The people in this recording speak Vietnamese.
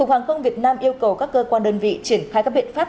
cục hàng không việt nam yêu cầu các cơ quan đơn vị triển khai các biện pháp